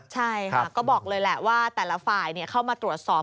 ใช่ค่ะก็บอกเลยแหละว่าแต่ละฝ่ายเข้ามาตรวจสอบ